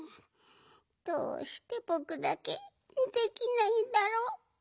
どうしてぼくだけできないんだろ？